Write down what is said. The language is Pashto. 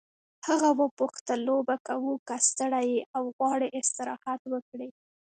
هغه وپوښتل لوبه کوو که ستړی یې او غواړې استراحت وکړې.